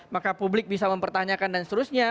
maka publik bisa mempertanyakan dan seterusnya